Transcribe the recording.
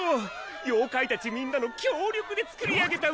妖怪たちみんなの協力で作り上げた歌ですよ。